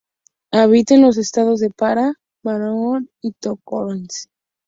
Habita en los estados de Pará, Maranhão y Tocantins.